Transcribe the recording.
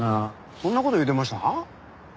そんな事言うてました？